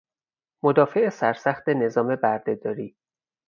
مدافع سرسخت نظام بردهداری